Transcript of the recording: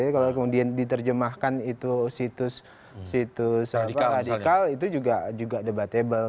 kalau kemudian diterjemahkan itu situs radikal itu juga debatable